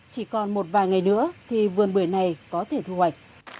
chỉ còn một vài ngày nữa thì vườn bưởi này có thể thu hoạch